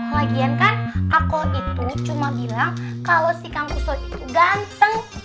lagian kan akol itu cuma bilang kalau si kang usel itu ganteng